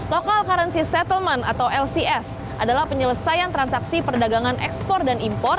local currency settlement atau lcs adalah penyelesaian transaksi perdagangan ekspor dan impor